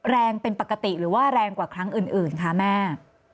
แรงเป็นปกติหรือว่าแรงกว่าครั้งอื่นคะแม่